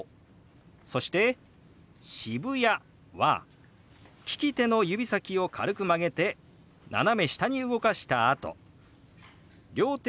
そして「渋谷」は利き手の指先を軽く曲げて斜め下に動かしたあと両手をこのように動かします。